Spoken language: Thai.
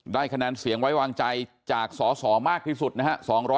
คะแนนเสียงไว้วางใจจากสสมากที่สุดนะฮะ